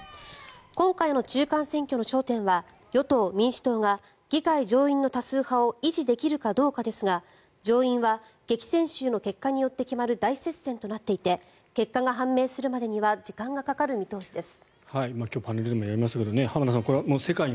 今回の中間選挙の焦点は与党・民主党が議会上院の多数派を維持できるかどうかですが上院は激戦州の結果によって決まる大接戦となっていて結果が判明するまでには時間がかかる見通しです。